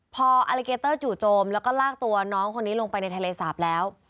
พออลิเกเตอร์จู่โจมแล้วก็ลากตัวน้องคนนี้ลงไปในทะเลสาปแล้ว